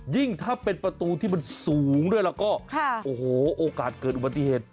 ยิ่งถ้าเป็นประตูที่สูงโอ้โหโอกาสเกิดอุบัติเหตุ